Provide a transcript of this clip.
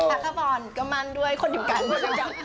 พระข้าพรก็มั่นด้วยคนอยู่กันด้วยกัน